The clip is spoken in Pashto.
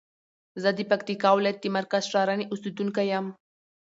زه د پکتیکا ولایت د مرکز شرنی اوسیدونکی یم.